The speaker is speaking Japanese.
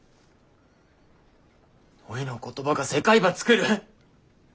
おいの言葉が世界ばつくる。